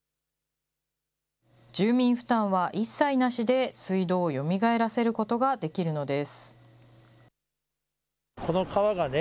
住民負担は一切なしで、水道をよみがえらせることができるのです。